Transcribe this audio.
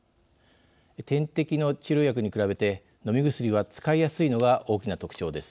点滴の治療薬に比べて飲み薬は使いやすいのが大きな特徴です。